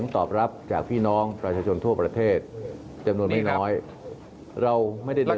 ทุกประเทศจำนวนไม่น้อย